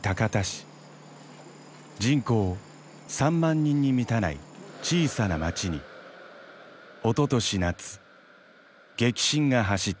人口３万人に満たない小さな町におととし夏激震が走った。